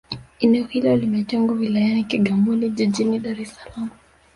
eneo hilo limetengwa wilayani kigamboni jijini dar es salaam